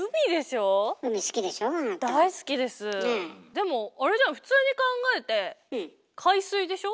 でもあれじゃん普通に考えて海水でしょ？